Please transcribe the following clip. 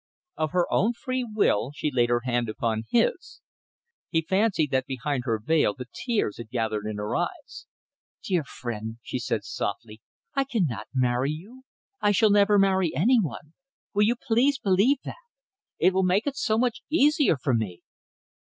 Of her own free will she laid her hand upon his. He fancied that behind her veil the tears had gathered in her eyes. "Dear friend," she said softly, "I cannot marry you! I shall never marry any one. Will you please believe that? It will make it so much easier for me."